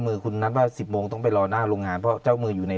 มือคุณนัดว่า๑๐โมงต้องไปรอหน้าโรงงานเพราะเจ้ามืออยู่ใน